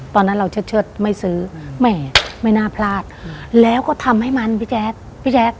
ตอนนั้นเราเชิดเชิดไม่ซื้อแหมไม่น่าพลาดแล้วก็ทำให้มันพี่แจ๊คพี่แจ๊ค